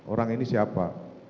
orang ini siapa